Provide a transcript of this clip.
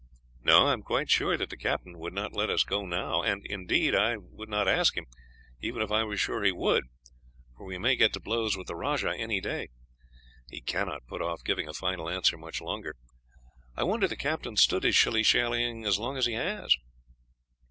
"No, I am quite sure that the captain would not let us go now, and indeed, I would not ask him, even if I were sure he would, for we may get to blows with the rajah any day; he cannot put off giving a final answer much longer. I wonder the captain stood his shilly shallying so long as he has."